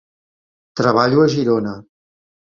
Treballo a Girona.